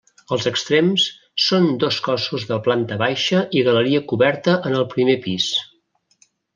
Els extrems són dos cossos de planta baixa i galeria coberta en el primer pis.